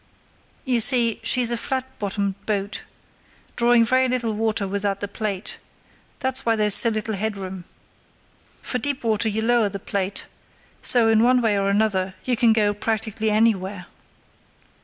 "You see, she's a flat bottomed boat, drawing very little water without the plate; that's why there's so little headroom. For deep water you lower the plate; so, in one way or another, you can go practically anywhere."